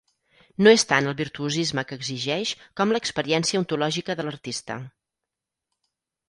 No és tant el virtuosisme que exigeix com l'experiència ontològica de l'artista.